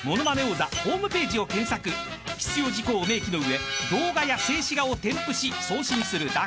［必要事項を明記の上動画や静止画を添付し送信するだけ］